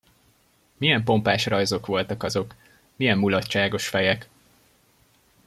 Milyen pompás rajzok voltak azok, milyen mulatságos fejek!